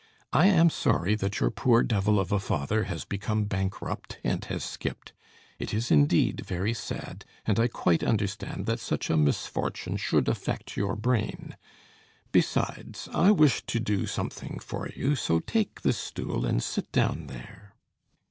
I am sorry that your poor devil of a father has become bankrupt and has skipped. It is indeed very sad, and I quite understand that such a misfortune should affect your brain. Besides, I wish to do something for you; so take this stool and sit down there."